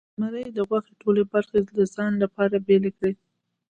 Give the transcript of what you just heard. زمري د غوښې ټولې برخې د ځان لپاره بیلې کړې.